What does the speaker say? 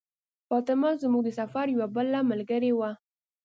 فاطمه زموږ د سفر یوه بله ملګرې وه.